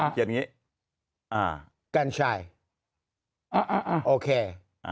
เขียนอย่างนี้กัญชัยโอเค